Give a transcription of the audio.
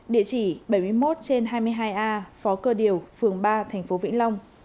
địa chỉ bảy mươi một trên hai mươi hai a phó cơ điều phường ba tp vĩnh long